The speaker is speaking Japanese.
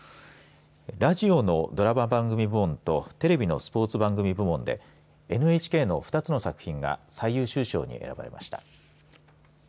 ラジオのドラマ番組部門とテレビのスポーツ番組部門でＮＨＫの２つの作品が最優秀賞に選ばれました。